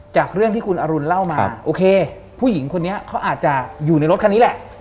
จากเรื่องที่คุณอรุณเล่ามาโอเคผู้หญิงคนนี้เขาอาจจะอยู่ในรถคันนี้แหละ